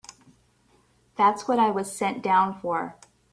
That's what I was sent down for.